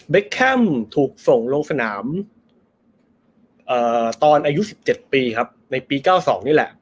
แคมป์ถูกส่งลงสนามตอนอายุ๑๗ปีครับในปี๙๒นี่แหละ